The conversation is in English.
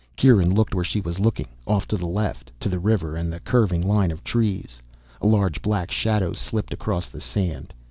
Kieran looked where she was looking, off to the left, to the river and the curving line of trees. A large black shadow slipped across the sand.